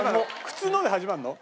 「靴の」で始まるの？